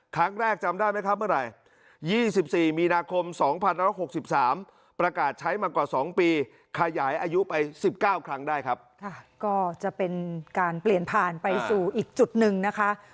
ครั้งแรกจำได้ไหมครับเมื่อไหร่